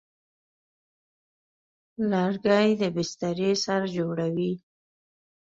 لرګی د بسترې سر جوړوي.